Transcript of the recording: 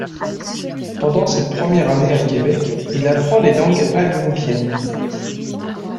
Pendant cette première année à Québec, il apprend les langues algonquiennes.